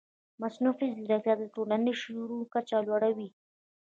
مصنوعي ځیرکتیا د ټولنیز شعور کچه لوړوي.